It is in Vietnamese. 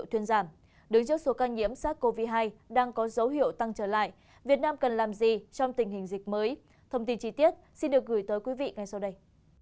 thông tin chi tiết xin được gửi tới quý vị ngay sau đây